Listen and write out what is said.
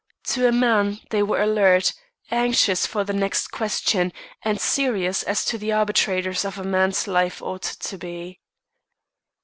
To a man, they were alert, anxious for the next question, and serious, as the arbitrators of a man's life ought to be.